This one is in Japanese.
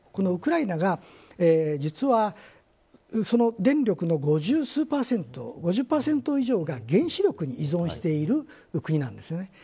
ウクライナが、実は電力の５０％以上が原子力に依存している国なんですね。